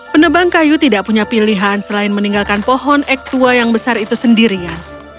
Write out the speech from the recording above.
penebang kayu tidak punya pilihan selain meninggalkan pohon ek tua yang besar itu sendirian